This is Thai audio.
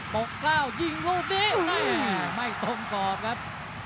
ตั้งจังหวะยิงรูปนี้อ่าไม่ต้มกอบครับ